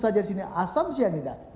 saja di sini asam sih ya tidak